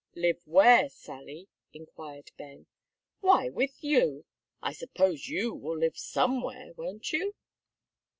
"Live where, Sally?" inquired Ben. "Why, with you. I suppose you will live somewhere won't you?"